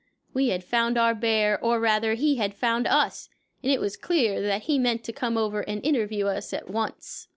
We had found our bear, or rather, he had found us, and it was clear that he meant to come over and interview us at once.